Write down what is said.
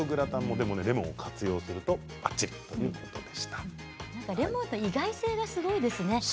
でもレモンを使うとレモンの意外性がすごいですね。